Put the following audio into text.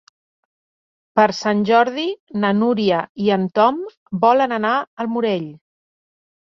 Per Sant Jordi na Núria i en Tom volen anar al Morell.